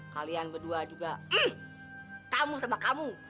kalian berdua juga kamu sama kamu